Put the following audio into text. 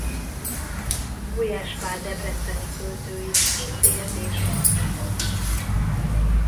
Gulyás Pál debreceni költő is itt élt és alkotott.